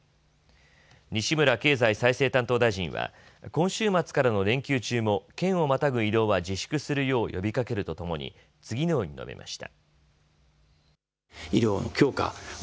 西村経済再生担当大臣は今週末からの連休中も県をまたぐ移動は自粛するよう呼びかけるとともに次のように述べました。